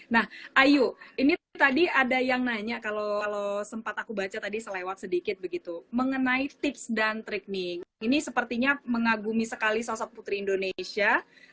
nah ayu ini tadi ada yang nanya kalau sempat aku baca tadi selewat sedikit begitu mengenai tips dan trikming ini sepertinya mengagumi sekali sosok putri indonesia